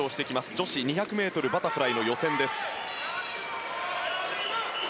女子２００ｍバタフライの予選です。